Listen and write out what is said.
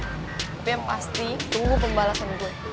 tapi yang pasti tunggu pembalasan gue